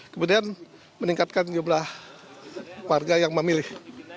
kemudian meningkatkan jumlah warga yang memilih